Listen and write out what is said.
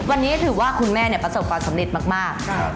วันนี้ถือว่าคุณแม่เนี้ยประสบความสำเร็จมากมากใช่